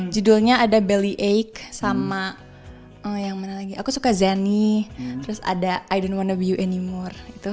judulnya ada belly ache sama oh yang mana lagi aku suka zany terus ada i don't wanna be you anymore itu